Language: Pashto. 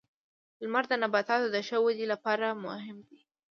• لمر د نباتاتو د ښه ودې لپاره مهم دی.